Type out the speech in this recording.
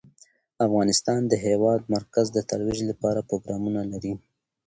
افغانستان د د هېواد مرکز د ترویج لپاره پروګرامونه لري.